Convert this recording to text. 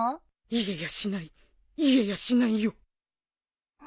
言えやしない言えやしないよ。